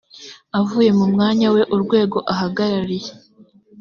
avuye mu mwanya we urwego ahagarariye